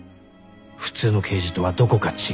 普通の刑事とはどこか違う